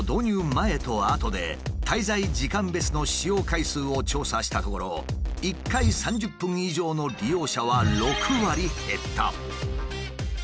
前と後で滞在時間別の使用回数を調査したところ１回３０分以上の利用者は６割減った。